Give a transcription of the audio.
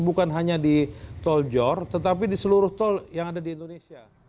bukan hanya di tol jor tetapi di seluruh tol yang ada di indonesia